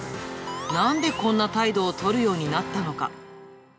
なんでこんな態度を取るようになったのか。